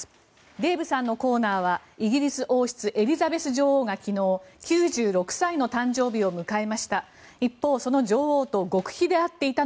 デーブさんのコーナーはイギリス王室、エリザベス女王が昨日９６歳の誕生日を迎えました。